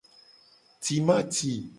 Timati.